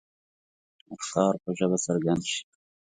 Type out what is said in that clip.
افکار په ژبه څرګند شي.